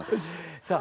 さあ